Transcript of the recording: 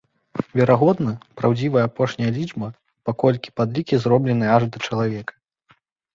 Верагодна, праўдзівая апошняя лічба, паколькі падлікі зробленыя аж да чалавека.